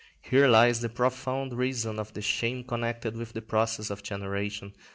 Here lies the profound reason of the shame connected with the process of generation.